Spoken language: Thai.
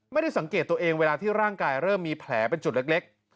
ไม่ได้สังเกตตัวเองเวลาที่ร่างกายเริ่มมีแผลเป็นจุดเล็ก